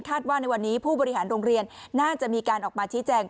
ว่าในวันนี้ผู้บริหารโรงเรียนน่าจะมีการออกมาชี้แจง